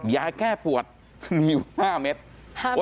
ยาแก้ปวดมี๕เมตร